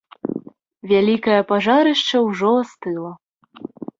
Вялікае пажарышча ўжо астыла.